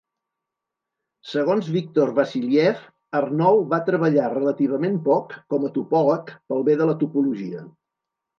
Segons Victor Vassiliev, Arnold va treballar relativament poc com a topòleg pel bé de la topologia.